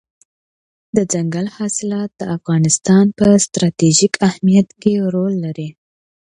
دځنګل حاصلات د افغانستان په ستراتیژیک اهمیت کې رول لري.